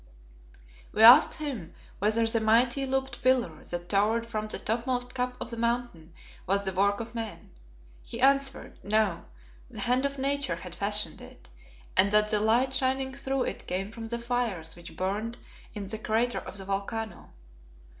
We asked him whether the mighty looped pillar that towered from the topmost cup of the Mountain was the work of men. He answered, No; the hand of Nature had fashioned it, and that the light shining through it came from the fires which burned in the crater of the volcano.